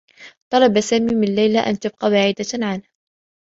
طلب سامي من ليلى أن تبقى بعيدة عنه.